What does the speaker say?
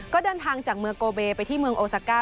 ก็เดินทางจากเมืองโกเบไปที่เมืองโอซาก้า